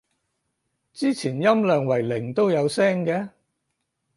之前音量為零都有聲嘅